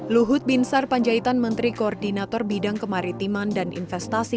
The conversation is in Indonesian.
luhut binsar panjaitan menteri koordinator bidang kemaritiman dan investasi